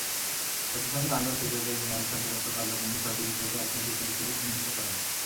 জাতিসংঘের under secretary general শান্তিরক্ষা কার্যক্রমে ছয়টি বিষয়কে অগ্রাধিকার হিসেবে চিহ্নিত করেন।